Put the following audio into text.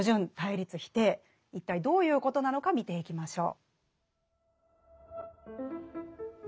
一体どういうことなのか見ていきましょう。